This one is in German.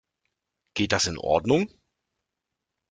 Geht das in Ordnung?